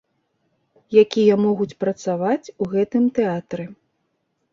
Якія могуць працаваць у гэтым тэатры.